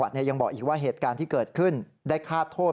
ตอนนี้บอกอีกว่าเหตุการณ์ของผู้ได้คาดโทษ